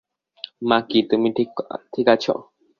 মাকি, তুমি ঠিক আছো?